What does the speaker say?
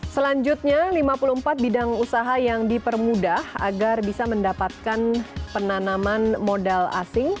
selanjutnya lima puluh empat bidang usaha yang dipermudah agar bisa mendapatkan penanaman modal asing